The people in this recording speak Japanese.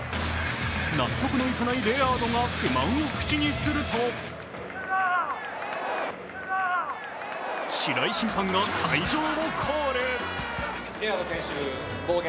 納得のいかないレアードが不満を口にすると白井審判が退場をコール。